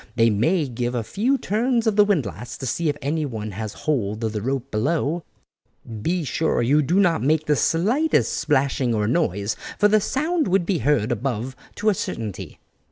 They may give a few turns of the windlass to see if anyone has hold of the rope below; be sure you do not make the slightest splashing or noise, for the sound would be heard above to a certainty."